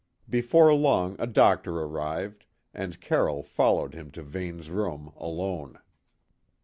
Before long a doctor arrived, and Carroll followed him to Vane's room alone.